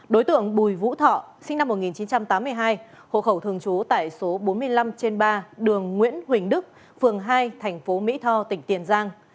đối tượng bùi vũ thọ sinh năm một nghìn chín trăm tám mươi hai hộ khẩu thường trú tại số bốn mươi năm trên ba đường nguyễn huỳnh đức phường hai thành phố mỹ tho tỉnh tiền giang